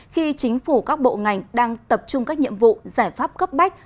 khi chính phủ các bộ ngành đang tập trung các nhiệm vụ giải pháp cấp bách